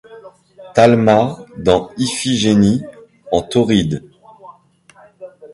Talma dans Iphigénie en Tauride.